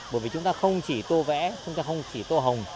bởi vì chúng ta không chỉ tô vẽ chúng ta không chỉ tô hồng